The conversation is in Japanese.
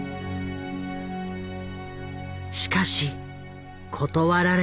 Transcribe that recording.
しかし断られた。